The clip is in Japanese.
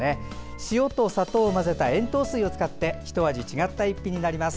塩と砂糖を混ぜた塩糖水を使ってひと味違った一品になります。